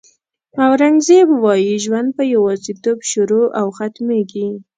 اورنګزېب وایي ژوند په یوازېتوب شروع او ختمېږي.